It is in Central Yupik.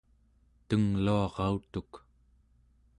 tengluarautuk